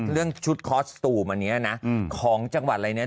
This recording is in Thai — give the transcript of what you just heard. เรื่องชุดคอสตูมอันนี้นะของจังหวัดอะไรเนี่ย